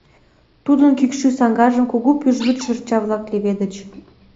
Тудын кӱкшӧ саҥгажым кугу пӱжвӱд шырча-влак леведыч.